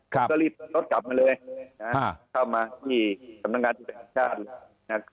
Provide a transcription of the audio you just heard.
ก็รีบรถกลับมาเลยเข้ามาที่สำนักงานธุรกิจชาติ